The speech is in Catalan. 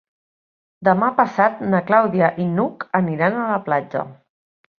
Demà passat na Clàudia i n'Hug aniran a la platja.